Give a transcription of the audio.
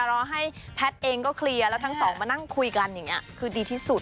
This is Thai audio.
รอให้แพทย์เองก็เคลียร์แล้วทั้งสองมานั่งคุยกันอย่างนี้คือดีที่สุด